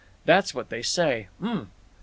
That's what they say. Umph!"